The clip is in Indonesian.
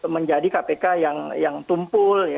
menjadi kpk yang tumpul